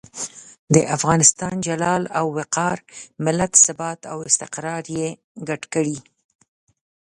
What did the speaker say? د افغانستان جلال او وقار، ملت ثبات او استقرار یې ګډ کړي.